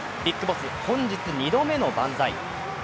ＢＩＧＢＯＳＳ、本日２度目の万歳。